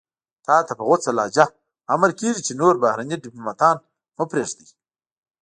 تاته په غوڅه لهجه امر کېږي چې نور بهرني دیپلوماتان مه پرېږدئ.